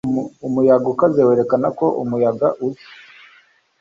umuyaga ukaze werekana ko umuyaga uza